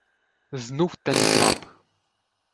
"Znów ten drab."